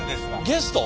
ゲスト！？